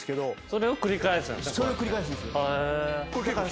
それを繰り返すんす。